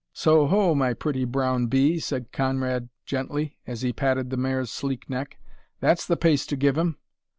"So, ho, my pretty Brown B.," said Conrad gently, as he patted the mare's sleek neck, "that's the pace to give 'em!"